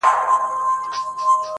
څه دي راوکړل د قرآن او د ګیتا لوري.